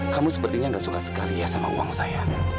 kamu sepertinya gak suka sekali ya sama uang saya